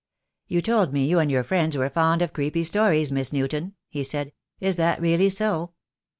"You told me you and your friends were fond of creepy stories, Miss Newton," he said. "Is that really so?"